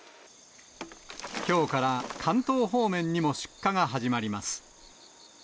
きょうから関東方面にも出荷が始まります。